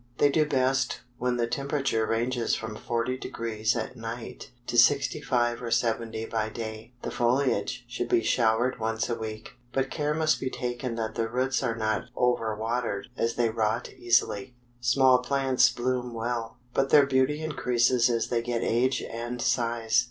They do best when the temperature ranges from forty degrees at night to sixty five or seventy by day. The foliage should be showered once a week, but care must be taken that the roots are not over watered, as they rot easily. Small plants bloom well, but their beauty increases as they get age and size.